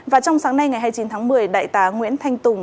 và trong sáng nay ngày hai mươi chín tháng một mươi đại tá nguyễn thanh tùng